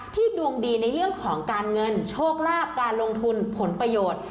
ดวงดีในเรื่องของการเงินโชคลาภการลงทุนผลประโยชน์